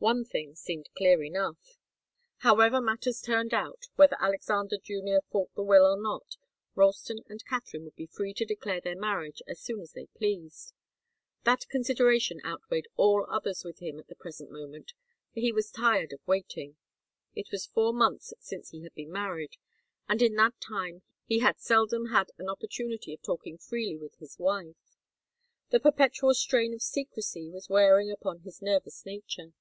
One thing seemed clear enough. However matters turned out, whether Alexander Junior fought the will or not, Ralston and Katharine would be free to declare their marriage as soon as they pleased. That consideration outweighed all others with him at the present moment, for he was tired of waiting. It was four months since he had been married, and in that time he had seldom had an opportunity of talking freely with his wife. The perpetual strain of secrecy was wearing upon his nervous nature.